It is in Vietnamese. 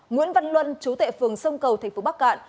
nguyễn văn luân chú tệ phường sông cầu tp bắc cạn